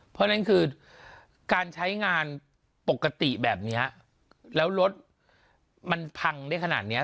เพราะฉะนั้นคือการใช้งานปกติแบบนี้แล้วรถมันพังได้ขนาดเนี้ย